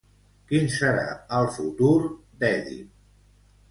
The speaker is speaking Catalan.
Quin serà el futur d'Èdip?